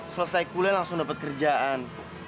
selesai kuliah langsung dapat kerjaan